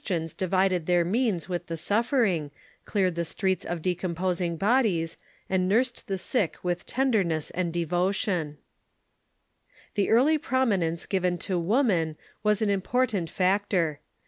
ians divided their means with the suffering, cleared the streets of decomposing bodies, and nursed the sick with ten derness and devotion. THE LIFE OF CHRISTIANS 23 The early prominence given to woman was an important factor.